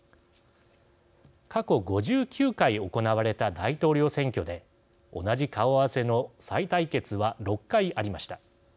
過去５９回行われた大統領選挙で同じ顔合わせの再対決は６回ありました。